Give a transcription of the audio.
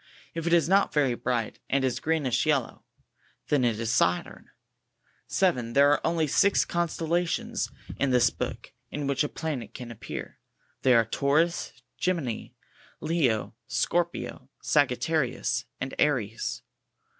If it is not very bright, and is greenish yellow, it is SATURX. 7. There are only six constellations in this 61 book in which a planet can appear. They are Taurus, Gemini, Leo, Scorpio, Sagittarius and Aries.